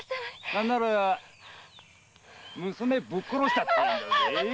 何なら娘をぶっ殺したっていいんだぜ？